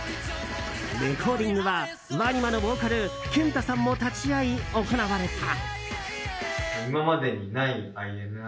レコーディングはＷＡＮＩＭＡのボーカルＫＥＮＴＡさんも立ち会い行われた。